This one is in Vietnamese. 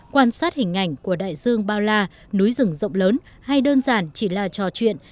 quan sát hình ảnh của đại dương bao la núi rừng rộng lớn hay đơn giản chỉ là trò chuyện